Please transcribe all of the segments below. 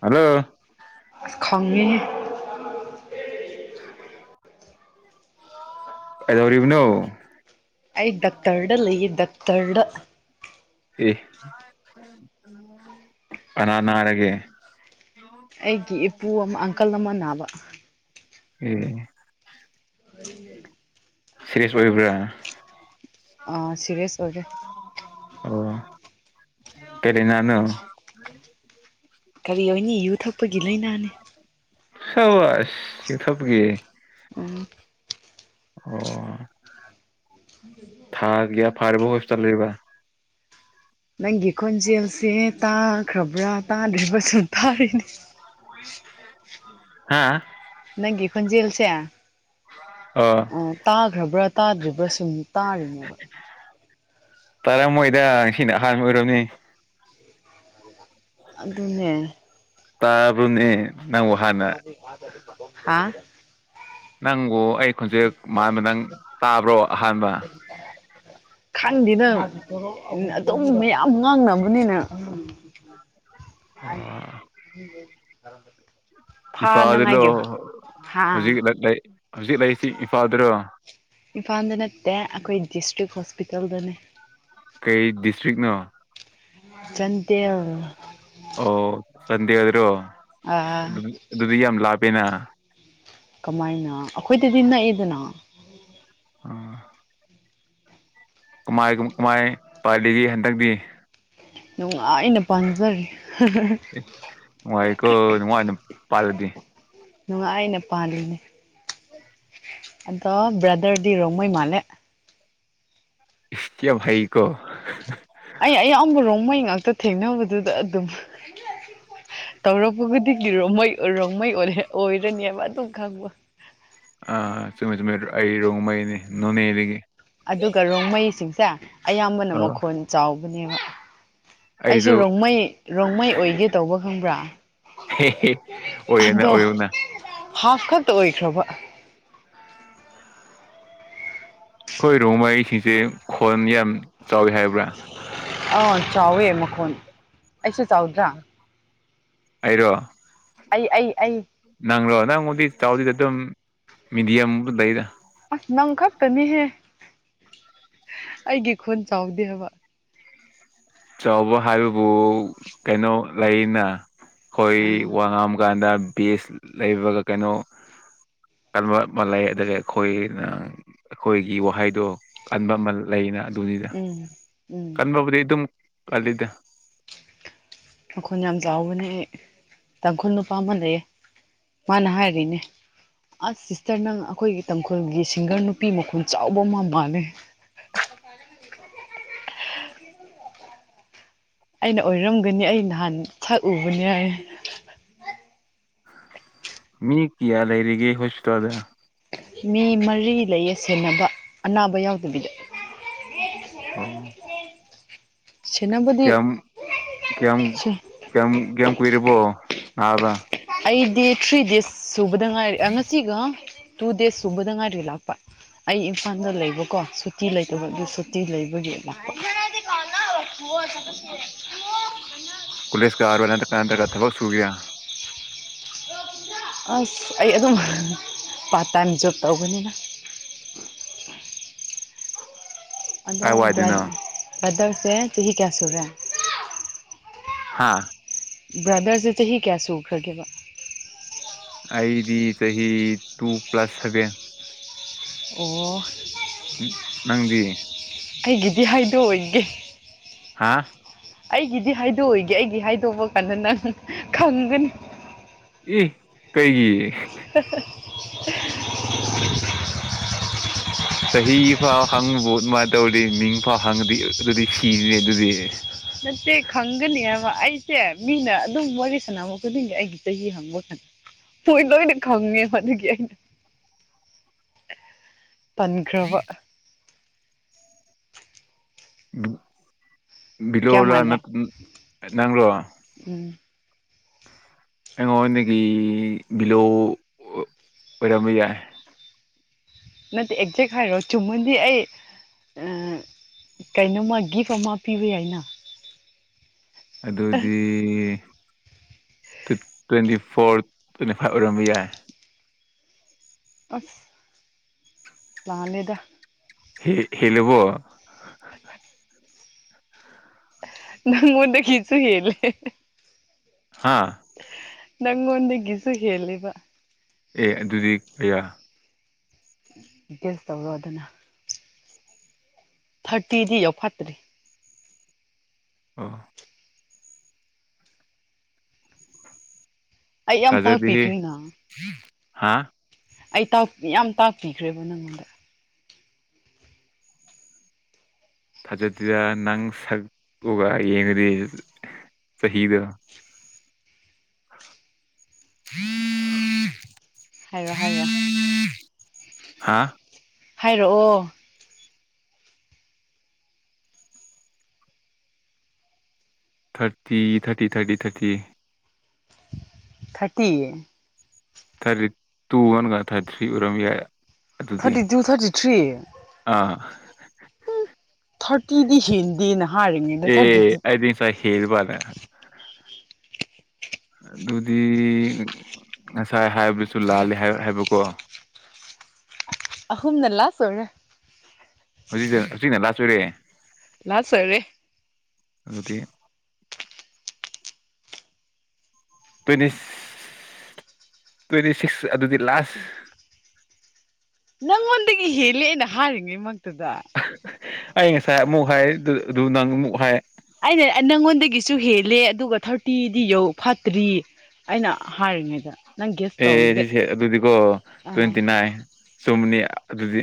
hello ꯈꯪꯉꯦꯍꯦ ꯀꯩꯗꯧꯔꯤꯕꯅꯣ ꯑꯩ ꯗꯛꯇꯔꯗ ꯂꯩꯌꯦ ꯗꯛꯇꯔꯗ ꯑꯦ ꯀꯅꯥ ꯅꯥꯔꯒꯦ ꯑꯩꯒꯤ ꯏꯄꯨ ꯑꯃ ꯑꯪꯀꯜ ꯑꯃ ꯅꯥꯕ ꯑꯦꯑꯦ [unintelligible] ꯁꯤꯔꯤꯌꯥꯁ ꯑꯣꯏꯕ꯭ꯔꯥ ꯑꯥ ꯁꯦꯔꯤꯌꯥꯁ ꯑꯣꯏꯔꯦ ꯀꯔꯤꯅꯅꯣ ꯀꯔꯤ ꯍꯥꯏꯅꯤ ꯌꯨ ꯊꯛꯄꯒꯤ ꯂꯩꯅꯥꯅꯦ ꯁꯕꯥꯁ ꯌꯨ ꯊꯛꯄꯒꯤ ꯎꯝ ꯑꯣ ꯊꯥ ꯀꯌꯥ ꯐꯥꯔꯕꯣ ꯍꯣꯁꯄꯤꯇꯥꯜ ꯂꯩꯕ ꯅꯪꯒꯤ ꯈꯣꯟꯖꯦꯜꯁꯦ ꯇꯥꯈ꯭ꯔꯕ꯭ꯔꯥ ꯇꯥꯗ꯭ꯔꯤꯕ ꯁꯨꯝ ꯇꯥꯔꯦꯅꯦ [unintelligible] ꯍꯥꯥ ꯅꯪꯒꯤ ꯈꯣꯟꯖꯦꯜꯁꯦ ꯑꯣ ꯑꯣ ꯇꯥꯈ꯭ꯔꯕ꯭ꯔꯥ ꯇꯥꯗ꯭ꯔꯤꯕ꯭ꯔꯥ ꯁꯨꯝ ꯇꯥꯔꯤꯅꯦꯕ ꯇꯥꯔꯝꯃꯣꯏꯗ ꯁꯤꯅ ꯑꯍꯥꯟꯕ ꯑꯣꯏꯔꯝꯅꯤ ꯑꯗꯨꯅꯦ ꯇꯥꯕꯅꯦ ꯑꯗꯨ [unintelligible] ꯍꯥ ꯅꯪꯕꯨ ꯑꯩ ꯈꯨꯣꯟꯖꯦꯜ ꯃꯥꯟꯕ ꯅꯪ ꯇꯥꯕ꯭ꯔꯣ ꯑꯍꯥꯟꯕ ꯈꯪꯗꯦꯗ ꯑꯗꯨꯝ ꯃꯌꯥꯝ ꯉꯥꯡꯅꯕꯅꯤꯅ [inaudible] ꯑꯣ [unintelligible] ꯏꯝꯐꯥꯗꯂꯣ ꯐꯥꯅꯉꯥꯏꯒꯤ ꯍꯥ ꯍꯧꯖꯤꯛ ꯍꯧꯖꯤꯛ ꯂꯩꯁꯤ ꯏꯝꯐꯥꯜꯗꯔꯣ ꯏꯝꯐꯥꯜꯗ ꯅꯠꯇꯦ ꯑꯩꯈꯣꯏ ꯗꯤꯁꯇ꯭ꯔꯤꯛ ꯍꯣꯁꯄꯤꯇꯥꯜꯗꯅꯦ ꯀꯩ ꯗꯤꯁꯇ꯭ꯔꯤꯛ ꯅꯣ ꯆꯥꯟꯗꯦꯜ ꯑꯣ ꯆꯥꯟꯗꯦꯜꯗꯔꯣ ꯑꯗꯨ ꯀꯃꯥꯏꯅ ꯑꯗꯨꯗꯤ ꯌꯥꯝ ꯌꯥꯝ ꯂꯥꯄꯦꯅ ꯀꯃꯥꯏꯅ ꯑꯩꯈꯣꯏꯗꯗꯤ ꯅꯛꯏꯗꯅ ꯑꯥ ꯀꯃꯥꯏ ꯀꯃꯥꯏ ꯄꯥꯂꯤꯒꯦ ꯍꯟꯗꯛꯇꯤ ꯅꯨꯡꯉꯥꯏꯅ ꯄꯥꯟꯖꯔꯤ ꯑꯦ ꯅꯨꯉꯥꯢꯑꯦꯀꯣ ꯅꯨꯉꯥꯢꯅ ꯄꯥꯜꯂꯗꯤ ꯅꯨꯡꯉꯥꯏꯅ ꯄꯥꯜꯂꯤꯅꯦ ꯑꯗꯣ ꯕ꯭ꯔꯗꯔꯗꯤ ꯔꯣꯡꯃꯩ ꯃꯥꯂꯦ ꯏꯁ ꯌꯥꯝ ꯍꯩꯀꯣ ꯑꯩ ꯑꯩ ꯑꯌꯥꯝꯕ ꯔꯣꯡꯃꯩ ꯉꯥꯛꯇ ꯊꯦꯡꯅꯕꯗꯨꯗ ꯑꯗꯨꯝ ꯇꯧꯔꯛꯄ ꯈꯨꯗꯤꯒꯤ ꯔꯣꯡꯃꯩ ꯔꯣꯡꯃꯩ ꯑꯣꯢꯔꯦ ꯑꯣꯏꯔꯅꯤꯕ ꯑꯗꯨꯝ ꯈꯪꯕ ꯑ ꯆꯨꯝꯃꯦ ꯆꯨꯝꯃꯦ ꯑꯩ ꯔꯣꯡꯃꯩꯅꯦ ꯅꯣꯡꯅꯦꯗꯒꯤ ꯑꯗꯨꯒ ꯔꯣꯡꯃꯩꯁꯤꯡꯁꯦ ꯑꯌꯥꯝꯕꯅ ꯑꯥ ꯃꯈꯣꯟ ꯆꯥꯎꯕꯅꯦꯕ ꯑꯩꯁꯨ ꯔꯣꯡꯃꯩ ꯔꯣꯡꯃꯩ ꯑꯣꯏꯒꯦ ꯇꯧꯕ ꯈꯪꯕ꯭ꯔꯥ ꯍꯦꯍꯦ ꯑꯣꯏꯌꯣꯅ ꯑꯣꯏꯌꯣꯅ ꯍꯥꯞꯐ ꯈꯛꯇ ꯑꯣꯏꯈ꯭ꯔꯕ ꯍꯣꯏ ꯔꯣꯃꯩꯁꯤꯡꯁꯦ ꯈꯣꯟ ꯌꯥꯝ ꯆꯥꯎꯋꯤ ꯍꯥꯏꯕ꯭ꯔꯥ ꯑꯥ ꯆꯥꯎꯋꯦ ꯃꯈꯣꯟ ꯑꯩꯁꯨ ꯆꯥꯎꯗ꯭ꯔꯥ ꯑꯩꯔꯣ ꯑꯩ ꯑꯩ ꯑꯩ ꯅꯪꯂꯣ ꯅꯪꯕꯨꯗꯤ ꯆꯥꯎꯗꯦꯗ ꯑꯗꯨꯝ ꯃꯤꯗꯤꯌꯝ ꯗ ꯂꯩꯗ ꯅꯪꯈꯛꯇꯅꯤꯍꯦ ꯑꯩꯒꯤ ꯈꯣꯟ ꯆꯥꯎꯗꯦ ꯍꯥꯏꯕ ꯆꯥꯎꯕ ꯍꯥꯏꯕꯕꯨ ꯀꯩꯅꯣ ꯂꯩꯅ ꯑꯩꯈꯣꯏ ꯑꯥ ꯋꯥ ꯉꯥꯡꯕꯀꯥꯟꯗ ꯕꯦꯁ ꯂꯩꯕꯒ ꯀꯩꯅꯣ ꯀꯟꯕ ꯑꯃ ꯂꯩ ꯑꯗꯨꯒ ꯑꯩꯈꯣꯏꯅ ꯑꯩꯈꯣꯏꯒꯤ ꯋꯥꯍꯩꯗꯣ ꯀꯟꯕ ꯑꯃ ꯂꯩꯅ ꯗꯨꯅꯤꯗ ꯎꯝ ꯎꯝ ꯀꯟꯕꯕꯨꯗꯤ ꯑꯗꯨꯝ ꯀꯜꯂꯤꯗ ꯃꯈꯣꯜ ꯌꯥꯝ ꯆꯥꯎꯕꯅꯦ ꯑꯩ ꯇꯥꯡꯈꯨꯜ ꯅꯨꯄꯥ ꯑꯃ ꯂꯩꯌꯦ ꯃꯥꯅ ꯍꯥꯏꯔꯤꯅꯦ ꯑꯁ ꯁꯤꯁꯇꯔ ꯅꯪ ꯑꯩꯈꯣꯏꯒꯤ ꯇꯥꯡꯈꯨꯜꯒꯤ ꯁꯤꯡꯒꯔ ꯅꯨꯄꯤ ꯃꯈꯣꯜ ꯆꯥꯎꯕ ꯑꯃ ꯃꯥꯜꯂꯦ [inaudible] ꯑꯩꯅ ꯑꯣꯏꯔꯝꯒꯅꯤ ꯑꯩ ꯅꯍꯥꯟ ꯁꯛꯎꯕꯅꯦ ꯍꯥꯏ ꯃꯤ ꯀꯌꯥ ꯂꯩꯔꯤꯒꯦ ꯍꯣꯁꯄꯤꯇꯥꯜꯗ ꯃꯤ ꯃꯔꯤ ꯂꯩꯌꯦ ꯁꯦꯟꯅꯕ ꯑꯅꯥꯕ ꯌꯥꯎꯗꯕꯤꯗ ꯑꯣ ꯁꯦꯟꯅꯕꯗꯤ ꯀꯌꯥꯝ ꯀꯌꯥꯝ ꯁꯦ ꯀꯌꯥꯃꯨꯛ ꯀꯌꯥꯝ ꯀꯨꯢꯔꯕꯣ ꯅꯥꯕ ꯑꯩꯗꯤ ꯊ꯭ꯔꯤ ꯗꯦꯖ ꯁꯨꯕꯗ ꯉꯥꯏꯔꯦ ꯉꯁꯤꯒ ꯇꯨ ꯗꯦꯁ ꯁꯨꯝꯗ ꯉꯥꯏꯔꯤ ꯂꯥꯛꯄ ꯑꯩ ꯏꯝꯐꯥꯜꯗ ꯂꯩꯕꯀꯣ ꯁꯨꯇꯤ ꯂꯩꯇꯕꯒꯤ ꯁꯨꯇꯤ ꯂꯩꯕꯒꯤ ꯂꯥꯛꯄ [inaudible] ꯄꯨꯂꯤꯁ ꯀꯥ ꯋꯥ ꯇ ꯀꯇ ꯊꯕꯛ ꯁꯨꯒ ꯑꯁ ꯑꯩ ꯑꯗꯨꯝ ꯄꯥꯔꯠ ꯇꯥꯏꯝ ꯖꯣꯕ ꯇꯧꯕꯅꯤꯗ [inaudible] ꯑꯗꯣ ꯀꯥꯏ ꯋꯥꯏꯗꯅꯣ ꯕ꯭ꯔꯥꯗꯔꯁꯦ ꯆꯍꯤ ꯀꯌꯥ ꯁꯨꯔꯦ ꯍꯥꯥ ꯕ꯭ꯔꯗꯔꯁꯦ ꯆꯍꯤ ꯀꯌꯥ ꯁꯨꯈ꯭ꯔꯒꯦꯕ ꯑꯩꯗꯤ ꯆꯍꯤ ꯇꯨ ꯄ꯭ꯂꯁ ꯁꯕꯦꯟ ꯑꯣ ꯎ ꯅꯪꯗꯤ ꯑꯩꯒꯤꯗꯤ ꯍꯥꯏꯗꯣꯛ ꯑꯣꯏꯒꯦ ꯍꯥꯥ ꯑꯩꯒꯤꯗꯤ ꯍꯥꯏꯗꯣꯛꯑꯣꯢꯒꯦ ꯑꯩꯒꯤ ꯍꯥꯏꯗꯣꯛꯄ ꯀꯟꯅ ꯅꯪ ꯈꯪꯒꯅꯤ ꯏ ꯀꯩꯒꯤ [unintelligible] ꯆꯍꯤ ꯐꯥꯎ ꯍꯪꯕꯕꯨ ꯑꯗꯨꯃꯥꯏꯅ ꯇꯧꯗꯤ ꯃꯤꯡ ꯐꯥꯎ ꯍꯪꯉꯗꯤ ꯑꯗꯨꯗꯤ ꯁꯤꯔꯤꯅꯤ ꯑꯗꯨꯗꯤ ꯅꯠꯇꯦ ꯈꯪꯒꯅꯤ ꯍꯥꯏꯕ ꯑꯩꯁꯦ ꯃꯤꯅ ꯑꯗꯨꯝ ꯋꯥꯔꯤ ꯁꯥꯟꯅꯝꯕ ꯈꯨꯗꯤꯡꯒꯤ ꯑꯩꯒꯤ ꯆꯍꯤ ꯍꯪꯕ ꯍꯣꯏꯗ ꯂꯣꯢꯅ ꯈꯪꯉꯦꯕ ꯑꯗꯨꯒꯤ ꯑꯩꯅ ꯇꯟꯈ꯭ꯔꯕ ꯀꯌꯥ ꯕꯤꯂꯣꯂ ꯃꯥꯜꯂꯦ ꯅ ꯅꯣꯔꯣ ꯎꯝ ꯑꯉꯣꯟ ꯗꯒꯤ ꯕꯤꯂꯣ ꯑꯣꯏꯔꯕꯌꯥꯢ ꯅꯠꯇꯦ ꯑꯦꯛꯖꯦꯛ ꯍꯥꯏꯔꯣ ꯆꯨꯝꯃꯗꯤ ꯑꯩ ꯀꯩꯅꯣꯝꯃ ꯒꯤꯐ ꯑꯃ ꯄꯤꯕ ꯌꯥꯏꯅ ꯑꯗꯨꯗꯤ ꯇ꯭ꯋꯦꯟꯇꯤ ꯐꯣꯔ ꯇ꯭ꯋꯦꯟꯇꯤ ꯐꯥꯏꯚ ꯑꯣꯏꯔꯝꯕ ꯌꯥꯏ ꯑꯁ ꯂꯥꯟꯂꯦꯗ ꯍꯦ ꯍꯦꯂꯕꯣ [unintelligible] ꯅꯪ ꯉꯣꯟꯗꯒꯤꯁꯨ ꯍꯦꯂꯦ ꯍꯥꯥ ꯅꯪ ꯉꯣꯟꯗꯒꯤꯁꯨ ꯍꯦꯜꯂꯦꯕ ꯑꯦ ꯑꯗꯨꯗꯤ ꯀꯌꯥ ꯒꯦꯁ ꯇꯧꯔꯣ ꯗꯅ ꯊꯔꯇꯤꯗꯤ ꯌꯧ ꯐꯠꯇꯔꯤ ꯑꯣ ꯑꯩ ꯌꯥꯝ ꯊꯥꯖꯗꯦꯍꯦ ꯇꯥꯛꯄꯤꯈ꯭ꯔꯤꯅ ꯍꯥ ꯑꯩ ꯌꯥꯝ ꯇꯥꯛꯄꯤꯈ꯭ꯔꯦꯕ ꯅꯪꯉꯣꯟꯗ ꯊꯥꯖꯠꯇ꯭ꯗ ꯅꯪ ꯁꯛꯇꯨꯒ ꯌꯦꯡꯉꯗꯤ ꯆꯍꯤꯗꯣ [unintelligible] ꯍꯥꯏꯔꯣ ꯍꯥꯏꯔꯣ ꯍꯥ ꯍꯥꯏꯔꯛꯑꯣ thirty thirty thirty thirty thirty thirty ꯇꯨꯋꯟꯒ ꯊꯥꯔꯇꯤ ꯊ꯭ꯔꯤ ꯑꯣꯏꯔꯝ ꯌꯥꯏ ꯑꯗꯨꯗꯤ ꯊꯥꯔꯇꯤ ꯇꯨ ꯊꯥꯔꯇꯤ ꯊ꯭ꯔꯤ ꯑ ꯊꯥꯔꯇꯤꯗꯤ ꯍꯦꯟꯗꯦꯅ ꯍꯥꯏꯔꯤꯉꯩꯗ ꯑꯦ ꯊꯥꯔꯇꯤꯗꯨ ꯑꯩꯗꯤ ꯉꯁꯥꯏ ꯍꯦꯜꯕꯅ ꯑꯗꯨꯗꯤ ꯉꯁꯥꯏ ꯍꯥꯏꯕꯁꯨ ꯂꯥꯜꯂꯦ ꯍꯥꯏ ꯍꯥꯏꯕꯀꯣ ꯑꯍꯨꯝꯅ ꯂꯥꯁ ꯑꯣꯏꯕ꯭ꯔꯥ ꯍꯧꯖꯤꯛꯇ ꯍꯧꯖꯤꯛꯅ ꯂꯥꯁ ꯑꯣꯏꯔꯦ ꯂꯥꯁ ꯑꯣꯏꯔꯦ ꯑꯗꯨꯗꯤ ꯇꯣꯏꯅꯤꯁ ꯇ꯭ꯋꯦꯟꯇꯤ ꯁꯤꯛꯁ ꯑꯗꯨꯗꯤ ꯂꯥꯁ ꯅꯪꯉꯣꯟꯗꯒꯤ ꯍꯦꯜꯂꯦ ꯑꯩꯅ ꯍꯥꯏꯔꯤꯉꯩꯃꯛꯇꯗꯥ ꯑꯩ ꯉꯁꯥꯏ ꯑꯃꯨꯛ ꯍꯥꯏ ꯑꯗꯨ ꯑꯗꯨ ꯅꯪ ꯑꯃꯨꯛ ꯍꯥꯏ ꯑꯩꯅ ꯅꯪꯉꯣꯟꯗꯒꯤꯁꯨ ꯍꯦꯜꯂꯦ ꯑꯗꯨꯒ ꯊꯥꯔꯇꯤꯗꯤ ꯌꯧ ꯐꯥꯠꯇ꯭ꯔꯤ ꯑꯩꯅ ꯍꯥꯏꯔꯤꯉꯩꯗ ꯅꯪ ꯒꯦꯁ ꯑꯦ ꯇꯧꯗꯦ ꯗꯤꯁꯦ ꯑꯗꯨꯗꯤꯀꯣ ꯑꯥ ꯇ꯭ꯋꯦꯟꯇꯤ ꯅꯥꯏꯟ ꯆꯨꯝꯅꯤ ꯑꯗꯨꯗꯤ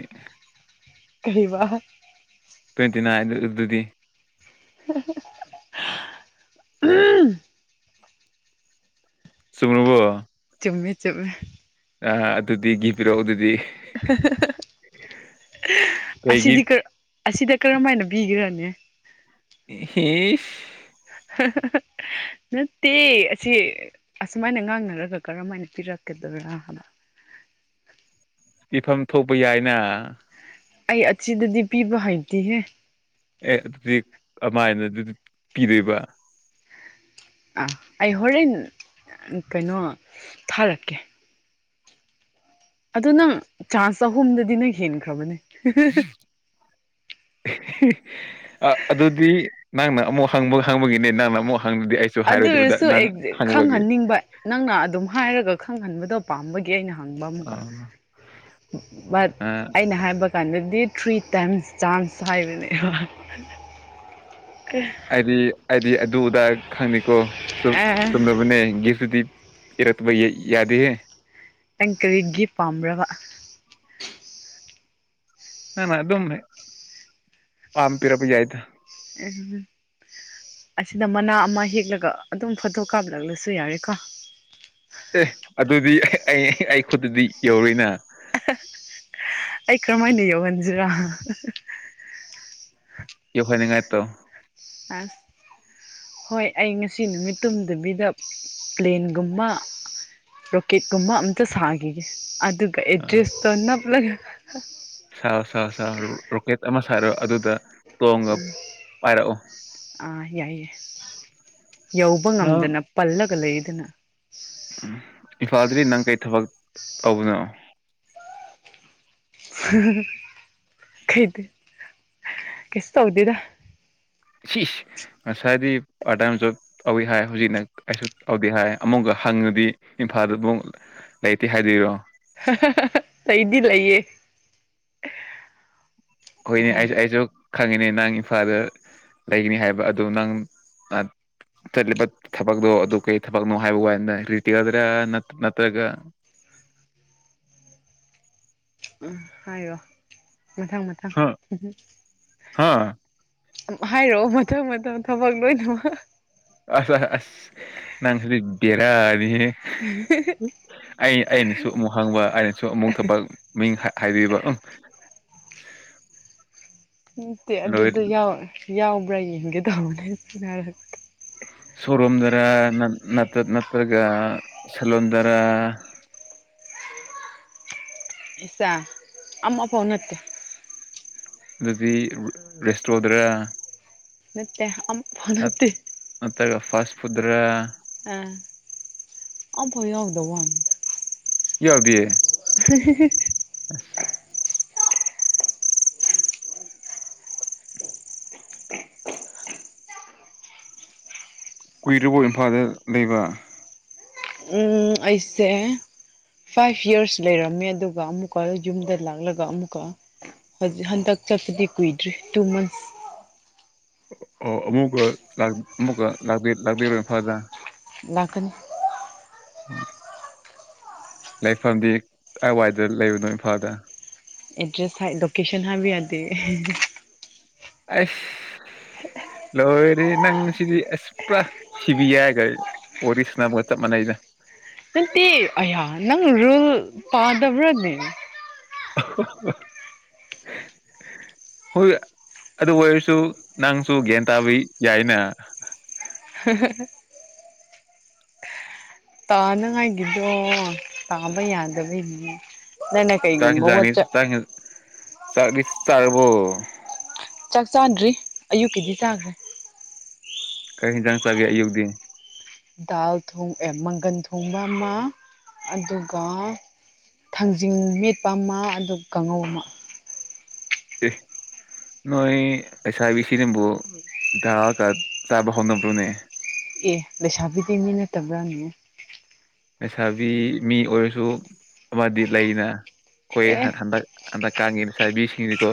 ꯀꯩꯕꯥ ꯇ꯭ꯋꯦꯟꯇꯤ ꯅꯥꯏꯟ ꯑꯗꯨ ꯑꯗꯨꯗꯤ ꯍꯍꯍꯍ ꯆꯨꯝꯃꯕꯣ ꯆꯨꯝꯃꯦ ꯆꯨꯝꯃꯦ ꯑ ꯑꯗꯨꯗꯤ ꯒꯤꯐ ꯄꯤꯔꯛꯑꯣ ꯑꯗꯨꯗꯤ ꯍ ꯍ ꯀꯩꯒꯤ ꯑꯁꯤꯗꯤ ꯀꯔ ꯑꯁꯤꯗ ꯀꯔꯝ ꯍꯥꯏꯅ ꯕꯤꯒꯤꯔꯅꯦ ꯍꯦꯁ ꯍꯦ ꯍꯦ ꯅꯠꯇꯦ ꯑꯁꯤ ꯑꯁꯨꯃꯥꯏꯅ ꯉꯥꯡꯅꯔꯒ ꯀꯔꯝ ꯍꯥꯏꯅ ꯄꯤꯔꯛꯀꯗ꯭ꯔꯥꯕꯥ ꯍꯥꯏꯕ [inaudible] ꯂꯩꯐꯝ ꯊꯣꯛꯄ ꯌꯥꯏꯅ ꯑꯩ ꯑꯠꯁꯤꯗꯗꯤ ꯄꯤꯕ ꯍꯩꯇꯦꯍꯦ ꯑꯦ ꯑꯗꯨꯗꯤ ꯑꯃꯥꯏꯅ ꯗꯨꯗꯤ ꯄꯤꯗꯣꯏꯕꯥ ꯑꯥ ꯑꯩ ꯍꯣꯔꯦꯟ ꯀꯩꯅꯣ ꯊꯥꯔꯛꯀꯦ ꯑꯗꯣ ꯅꯪ ꯆꯥꯟꯁ ꯑꯍꯨꯝꯗꯨꯗꯤ ꯅꯣꯏ ꯍꯦꯟꯈ꯭ꯔꯕꯅꯤ ꯍꯦ ꯑꯥ ꯑꯗꯨꯗꯤ ꯅꯪꯅ ꯑꯃꯨꯛ ꯍꯪꯕ ꯍꯪꯕꯒꯤꯅꯦ ꯅꯪꯅ ꯑꯃꯨꯛ ꯍꯪꯗꯗꯤ ꯑꯩꯁꯨ ꯑꯗꯨ ꯍꯥꯏꯔꯣꯏꯗꯕꯗ ꯑꯣꯏꯔꯁꯨ ꯅꯪ ꯑꯦꯛ ꯍꯪꯕꯒꯤ ꯈꯪꯍꯟꯅꯤꯡꯕ ꯅꯪꯅ ꯑꯗꯨꯝ ꯍꯥꯏꯔꯒ ꯈꯪꯍꯟꯕꯗꯣ ꯄꯥꯝꯕꯒꯤ ꯑꯩꯅ ꯍꯪꯕ ꯑ ꯑꯃꯨꯛꯀ ꯕꯠ ꯑ ꯑꯩꯅ ꯍꯥꯏꯕ ꯀꯥꯟꯗꯗꯤ ꯊ꯭ꯔꯤ ꯇꯥꯏꯝꯁ ꯆꯥꯟꯁ ꯍꯥꯏꯕꯅꯦꯕꯥ ꯑꯥꯏꯗꯤ ꯑꯥꯏꯗꯤ ꯑꯗꯨ ꯑꯗꯥ ꯈꯪꯗꯦꯀꯣ ꯆꯨ ꯑꯦ ꯆꯨꯝꯂꯕꯅꯦ ꯒꯤꯐꯇꯨꯗꯤ ꯏꯔꯠꯄꯕ ꯌꯥꯗꯦ ꯍꯦ ꯅꯪ ꯀꯔꯤ ꯒꯤꯐ ꯄꯥꯝꯕ꯭ꯔꯕ ꯅꯪꯅꯥ ꯑꯗꯨꯝ ꯍꯦꯛ ꯄꯥꯝ ꯄꯤꯔꯛꯄ ꯌꯥꯏꯗ ꯎꯝ ꯑꯁꯤꯗ ꯃꯅꯥ ꯑꯃ ꯍꯦꯛꯂꯒ ꯑꯗꯨꯝ ꯐꯣꯇꯣ ꯀꯥꯞꯂꯛꯂꯁꯨ ꯌꯥꯔꯦꯀꯣ ꯑꯦ ꯑꯗꯨꯗꯤ ꯑꯩ ꯑꯩ ꯈꯨꯠꯇꯗꯤ ꯌꯧꯔꯣꯏꯅꯥ ꯑꯍꯥ ꯑꯩ ꯀꯔꯝꯃꯥꯏꯅ ꯌꯧꯍꯟꯖꯤꯔꯥ ꯇꯣ ꯑꯁ ꯍꯣꯏ ꯑꯩ ꯉꯁꯤ ꯅꯨꯃꯤꯠ ꯇꯨꯝꯗꯕꯤꯗ ꯄ꯭ꯂꯦꯟꯒꯨꯝꯕꯥ ꯔꯣꯀꯦꯠꯀꯨꯝꯕꯥ ꯑꯝꯇ ꯁꯥꯒꯤꯒꯦ ꯑꯗꯨꯒ ꯑꯦꯗ꯭ꯔꯦꯁꯇꯣ ꯅꯞꯂꯒ ꯁꯥꯎ ꯁꯥꯎ ꯁꯥꯎ ꯔꯣꯀꯦꯠ ꯑꯃ ꯁꯥꯔꯣ ꯑꯗꯨꯗꯥ ꯇꯣꯡꯒ ꯄꯥꯏꯔꯛꯑꯣ ꯑꯥ ꯌꯥꯏꯌꯦ ꯌꯧꯕ ꯅꯪ ꯉꯝꯗꯅ ꯄꯜꯂꯒ ꯂꯩ ꯗꯅꯥ ꯏꯝꯐꯥꯜꯗꯗꯤ ꯅꯪ ꯀꯩ ꯊꯕꯛ ꯇꯧꯕꯅꯣ ꯍꯥꯍꯥꯍꯥ ꯈꯩꯗꯦ ꯀꯩꯁꯨ ꯍꯧꯗꯦꯗ ꯁꯤꯁ ꯉꯁꯥꯏꯗꯤ ꯄꯥꯔꯠ ꯇꯥꯏꯝ ꯖꯣꯕ ꯇꯧꯋꯤ ꯍꯥꯏ ꯍꯧꯖꯤꯛꯅ ꯀꯩꯁꯨ ꯇꯧꯗꯦ ꯍꯥꯏ ꯑꯃꯨꯛꯒ ꯍꯪꯉꯗꯤ ꯏꯝꯐꯥꯜꯗ ꯕꯨꯛ ꯂꯩꯇꯦ ꯍꯥꯏꯗꯣꯏꯔꯣ ꯍꯥꯍꯥꯍꯥ ꯂꯩꯗꯤ ꯂꯩꯌꯦ ꯍꯣꯏꯅꯦ ꯑꯣ ꯑꯩꯁꯨ ꯑꯩꯁꯨ ꯈꯪꯉꯤꯅꯦ ꯅꯪ ꯏꯝꯐꯥꯜꯗ ꯂꯩꯒꯅꯤ ꯍꯥꯏꯕ ꯑꯗꯨ ꯅꯪ ꯑ ꯆꯠꯂꯤꯕ ꯊꯕꯛꯗꯣ ꯑꯗꯨ ꯀꯩ ꯊꯕꯛꯅꯣ ꯍꯥꯢꯕ ꯋꯥꯅꯤꯗ ꯔꯤꯇꯦꯜꯗꯔ ꯅꯠꯇ꯭ꯔꯒ [inaudible] ꯎꯝ ꯍꯥꯏꯌꯣ ꯃꯊꯪ ꯃꯊꯪ ꯍꯥ ꯍꯝꯍꯝ ꯍꯥ ꯎꯝ ꯍꯥꯏꯔꯛꯑꯣ ꯃꯊꯪ ꯃꯊꯪ ꯊꯕꯛ ꯂꯣꯏꯅꯃꯛ ꯑꯁ ꯑꯁ ꯅꯪꯁꯤꯗꯤ ꯕꯦꯔꯥꯅꯤꯍꯦ ꯍꯥꯍꯥꯍꯥ ꯑꯩ ꯑꯩꯅꯁꯨ ꯑꯃꯨꯛ ꯍꯪꯕ ꯑꯩꯅꯁꯨ ꯑꯃꯨꯛ ꯊꯕꯛ ꯃꯤꯡ ꯍꯥꯏꯕꯤꯕ ꯎꯝ ꯅꯠꯇꯦ ꯂꯣꯏ ꯑꯗꯨꯗ ꯌꯥꯎ ꯌꯥꯎꯕ꯭ꯔꯥ ꯌꯦꯡꯒꯦ ꯇꯧꯕꯅꯦꯅ ꯁꯣꯔꯨꯝꯗꯔ ꯅꯠ ꯅꯠ ꯅꯠꯇ꯭ꯔꯒ ꯁꯦꯂꯨꯟꯗꯔ [inaudible] ꯏꯁꯑ ꯑꯃ ꯐꯥꯎ ꯅꯠꯇꯦ ꯑꯗꯨꯗꯤ ꯔꯦꯁꯇ꯭ꯔꯣ ꯗꯨꯔꯥ ꯅꯠꯇꯦ ꯑꯝ ꯅꯠ ꯅꯠꯇ꯭ꯔꯥꯒ ꯐꯥꯁ ꯐꯨꯠꯇꯔ ꯑ ꯑꯝꯐꯥꯎ ꯌꯥꯎꯗꯕ ꯋꯥꯅꯦ ꯌꯥꯎꯗꯤꯌꯦ ꯍꯦ ꯍꯤꯍꯤ ꯑꯁ ꯀꯨꯏꯔꯕꯣ ꯏꯝꯐꯥꯜꯗ ꯂꯩꯕ ꯎꯝ ꯑꯩꯁꯦ ꯐꯥꯏꯚ ꯌꯔꯁ ꯂꯩꯔꯝꯃꯦ ꯑꯗꯨꯒ ꯑꯃꯨꯛꯀ ꯌꯨꯝꯗ ꯂꯥꯛꯂꯒ ꯑꯃꯨꯛꯀ ꯍꯩꯖꯤꯛ ꯍꯟꯗꯛ ꯆꯠꯄꯗꯤ ꯀꯨꯏꯗ꯭ꯔꯤ ꯇꯨ ꯃꯟꯁ ꯑꯣ ꯑꯃꯨꯛꯀ ꯂꯥꯛ ꯑꯃꯨꯛꯀ ꯂꯥꯛ ꯂꯥꯛꯄꯤꯔꯣ ꯢꯝꯐꯥꯜꯗ ꯂꯥꯛꯀꯅꯤ ꯑꯣ ꯂꯩꯐꯝꯗꯤ ꯀꯥꯏꯋꯥꯏꯗ ꯂꯩꯕꯅꯣ ꯏꯝꯐꯥꯜꯗ ꯑꯦꯗ꯭ꯔꯦꯁ ꯍꯥꯢ ꯂꯣꯀꯦꯁꯟ ꯍꯥꯏꯕ ꯌꯥꯗꯦ ꯑꯍꯦ ꯑꯁ ꯂꯣꯏꯔꯦꯌꯦ ꯅꯪꯁꯤꯗꯤ ꯑꯁ ꯄꯨꯔꯥ ꯁꯤꯕꯤꯑꯥꯢꯒ ꯋꯥꯔꯤ ꯁꯥꯟꯅꯕꯒ ꯆꯞ ꯃꯅꯩꯗ ꯅꯠꯇꯦ ꯑꯌꯥ ꯅꯪ ꯔꯨꯜ ꯄꯥꯗꯕ꯭ꯔꯥꯅꯦ ꯑꯍꯣꯍꯣ ꯍꯣꯏ ꯑꯗꯨ ꯑꯣꯏꯔꯁꯨ ꯅꯪꯁꯨ ꯒ꯭ꯌꯥꯟ ꯇꯥꯕ ꯌꯥꯏꯅ ꯇꯥꯅꯉꯥꯏꯒꯤꯗꯣ ꯇꯥꯕ ꯌꯥꯗꯕꯩꯅꯤ ꯅꯪꯅ ꯀꯩꯒꯨꯝꯕ ꯋꯥꯠꯆꯦꯞ ꯆꯥꯛꯇꯤ ꯆꯥꯔꯕꯣ ꯆꯥꯛ ꯆꯥꯗ꯭ꯔꯤ ꯑꯌꯨꯛꯀꯤꯗꯤ ꯆꯥꯈ꯭ꯔꯦ ꯀꯩ ꯍꯦꯟꯖꯥꯡ ꯆꯒꯦ ꯑꯌꯨꯛꯇꯤ ꯗꯥꯜ ꯊꯣꯡ ꯑꯦ ꯃꯪꯒꯟ ꯊꯣꯡꯕ ꯑꯃ ꯑꯗꯨꯒ ꯊꯥꯡꯖꯤꯡ ꯃꯦꯠꯄ ꯑꯃ ꯑꯗꯨꯒ ꯀꯥꯡꯉꯧ ꯑꯃ ꯑꯦ ꯅꯣꯏ ꯂꯩꯁꯥꯕꯤ ꯁꯤꯡꯅꯕꯨ ꯗꯥꯜꯒ ꯆꯥꯕ ꯍꯧꯅꯕ꯭ꯔꯣꯅꯦ ꯑꯦ ꯂꯩꯁꯥꯕꯤꯗꯤ ꯃꯤ ꯅꯠꯇꯕ꯭ꯔꯥꯅꯦ ꯂꯩꯁꯥꯕꯤ ꯃꯤ ꯑꯣꯏꯔꯁꯨ ꯑꯃꯗꯤ ꯂꯩꯅ ꯑꯩꯈꯣꯏ ꯑꯦ ꯍꯟ ꯍꯟꯗꯛ ꯍꯟꯗꯛ ꯀꯥꯟꯒꯤ ꯂꯩꯁꯥꯏꯕꯤꯁꯤꯡꯗꯣ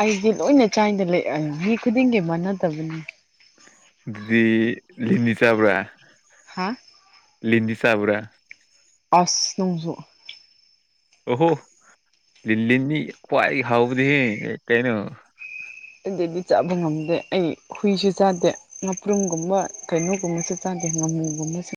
ꯑꯩꯗꯤ ꯂꯣꯏꯅ ꯆꯥꯏꯗ ꯂꯩ ꯃꯤ ꯈꯨꯗꯤꯡꯒꯤ ꯃꯥꯟꯅꯗꯕꯅꯦ ꯑꯗꯨꯗꯤ ꯂꯤꯟꯗꯤ ꯆꯥꯕ꯭ꯔꯥ ꯍꯥ ꯂꯤꯟꯗꯤ ꯆꯥꯕ꯭ꯔꯥ ꯑꯁ ꯅꯪꯁꯨ ꯑꯣꯍꯣ ꯂꯤꯟ ꯂꯤꯟꯅꯤ ꯈ꯭ꯋꯥꯏ ꯍꯥꯎꯕꯅꯤꯍꯦ ꯀꯩꯅꯣ ꯑꯗꯨꯗꯤ ꯆꯥꯕ ꯉꯝꯗꯦ ꯑꯩ ꯍꯨꯏꯁꯨ ꯆꯥꯗꯦ ꯉꯥꯄ꯭ꯔꯨꯝꯒꯨꯝꯕ ꯀꯩꯅꯣꯒꯨꯝꯕꯁꯨ ꯆꯥꯗꯦ ꯉꯥꯃꯨ ꯒꯨꯝꯕꯁꯨ